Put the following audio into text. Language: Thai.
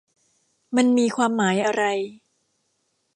มันมีความหมายอะไร ?